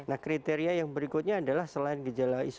nah kriteria yang berikutnya adalah selain gejala ispa itu adalah